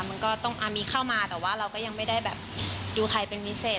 มันก็ต้องอามีเข้ามาแต่ว่าเราก็ยังไม่ได้แบบดูใครเป็นพิเศษ